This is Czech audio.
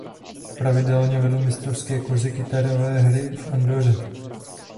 Pravidelně vedl mistrovské kurzy kytarové hry v Andoře.